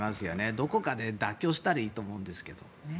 どこかで妥協したらいいと思うんですけど。